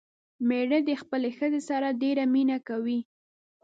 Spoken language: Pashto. مېړه دې خپلې ښځې سره ډېره مينه کوي